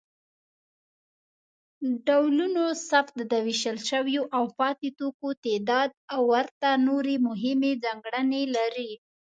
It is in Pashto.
ډولونوثبت، د ویشل شویو او پاتې توکو تعداد او ورته نورې مهمې ځانګړنې لري.